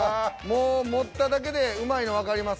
もう持っただけでうまいのわかります。